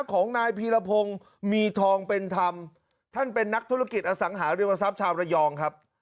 ของนายพีรพงศ์มีทองเป็นธรรมท่านเป็นนักธุรกิจอสังหาริมทรัพย์ชาวระยองครับ